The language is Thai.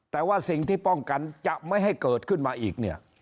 แต่ว่าสิ่งที่ป้องกันจะไม่ให้เกิดขึ้นมาอีกเนี่ย